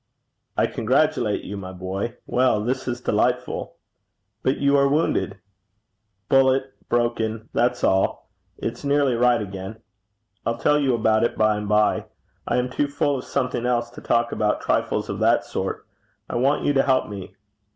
'I congratulate you, my boy. Well, this is delightful! But you are wounded.' 'Bullet broken that's all. It's nearly right again. I'll tell you about it by and by. I am too full of something else to talk about trifles of that sort. I want you to help me.'